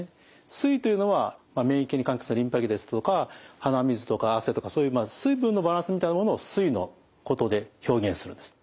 「水」というのは免疫に関係するリンパ液ですとか鼻水とか汗とかそういう水分のバランスみたいなものを「水」のことで表現するんです。